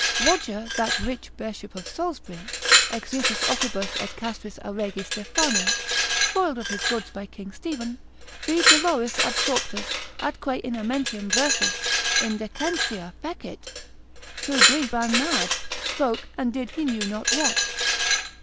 Roger that rich bishop of Salisbury, exutus opibus et castris a Rege Stephano, spoiled of his goods by king Stephen, vi doloris absorptus, atque in amentiam versus, indecentia fecit, through grief ran mad, spoke and did he knew not what.